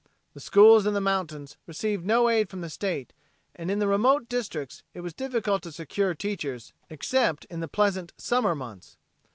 The schools in the mountains received no aid from the state and in the remote districts it was difficult to secure teachers except in the pleasant summer months.